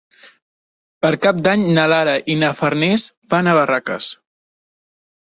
Per Cap d'Any na Lara i na Farners van a Barraques.